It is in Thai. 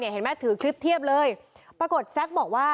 เห็นไหมถือคลิปเทียบเลยปรากฏแซ็กบอกว่า